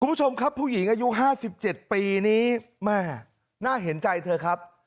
คุณผู้ชมครับผู้หญิงอายุ๕๗ปีนี้แม่น่าเห็นใจเธอครับ